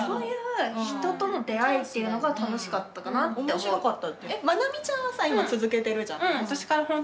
面白かった。